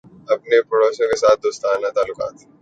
اپنے پڑوسیوں کے ساتھ دوستانہ تعلقات